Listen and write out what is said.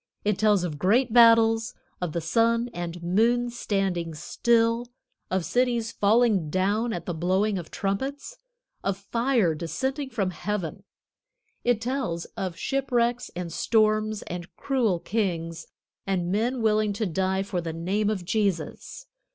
It tells of great battles, of the sun and moon standing still, of cities falling down at the blowing of trumpets; of fire descending from heaven; it tells of shipwrecks and storms, and cruel kings, and men willing to die for the name of Jesus.